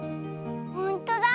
ほんとだ。